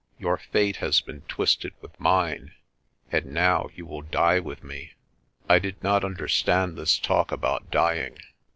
"Your fate has been twisted with mine, and now you will die with me." I did not understand this talk about dying.